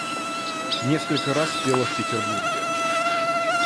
Несколько раз пела в Петербурге.